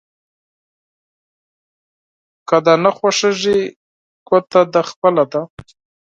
که دې نه خوښېږي ګوته دې خپله ده.